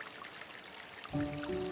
jalinkan pertemanan yang bermanfaat